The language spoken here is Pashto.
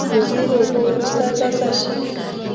وزې له اوبو وروسته تازه شي